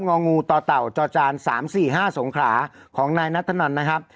งองูต่อเต่าจอดจานสามสี่ห้าสงขราของนายนัทธนั่นนะครับ